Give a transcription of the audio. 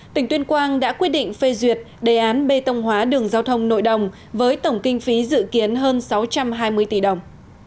tỉnh tuyên quang đã quyết định phê duyệt đề án bê tông hóa đường giao thông nội đồng với tổng kinh phí dự kiến hơn sáu trăm hai mươi tỷ đồng